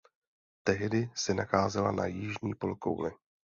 Tehdy se nacházela na jižní polokouli.